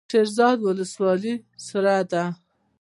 د شیرزاد ولسوالۍ سړه ده